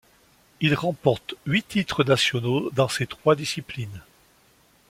Il remporte huit titres nationaux dans ces trois disciplines.